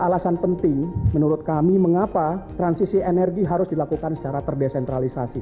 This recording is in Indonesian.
alasan penting menurut kami mengapa transisi energi harus dilakukan secara terdesentralisasi